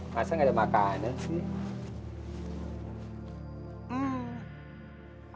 rasa gak ada makanan sih